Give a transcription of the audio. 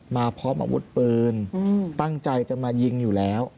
มาพร้อมอาวุธปืนตั้งใจจะมายิงอยู่แล้ว